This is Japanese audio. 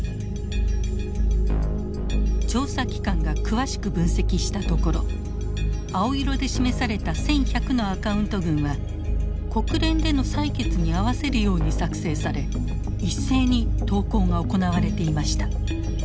調査機関が詳しく分析したところ青色で示された１，１００のアカウント群は国連での採決に合わせるように作成され一斉に投稿が行われていました。